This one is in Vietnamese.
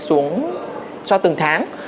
xuống cho từng tháng